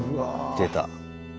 出た。